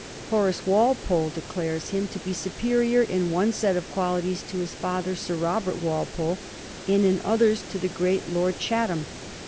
Horace Walpole declares him to be superior in one set of qualities to his father, Sir Robert Walpole, and in others to the great Lord Chatham.